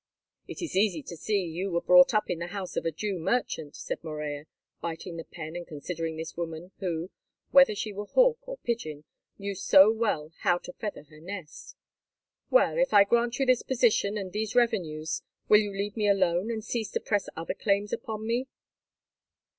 "It is easy to see that you were brought up in the house of a Jew merchant," said Morella, biting the pen and considering this woman who, whether she were hawk or pigeon, knew so well how to feather her nest. "Well, if I grant you this position and these revenues, will you leave me alone and cease to press other claims upon me?"